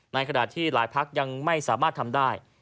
ในขณะที่หลายพักยังไม่สามารถทำได้